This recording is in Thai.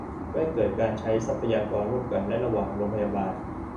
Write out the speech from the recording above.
เพื่อให้เกิดการใช้ทรัพยากรร่วมกันได้ระหว่างโรงพยาบาล